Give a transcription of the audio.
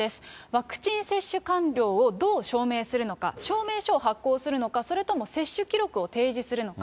ワクチン接種完了をどう証明するのか、証明書を発行するのか、それとも接種記録を提示するのか。